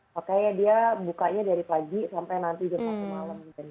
makanya dia bukanya dari pagi sampai nanti jam satu malam